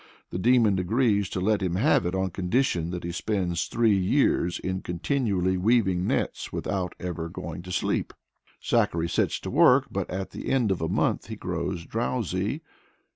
The demon agrees to let him have it on condition that he spends three years in continually weaving nets without ever going to sleep. Zachary sets to work, but at the end of a month he grows drowsy.